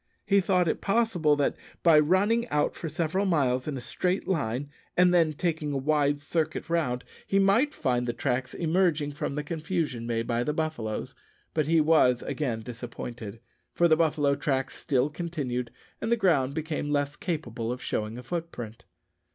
He thought it possible that, by running out for several miles in a straight line, and then taking a wide circuit round, he might find the tracks emerging from the confusion made by the buffaloes. But he was again disappointed, for the buffalo tracks still continued, and the ground became less capable of showing a footprint.